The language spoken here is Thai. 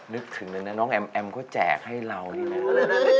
นึกถึงเลยนะน้องแอมแอมก็แจกให้เรานี่นะ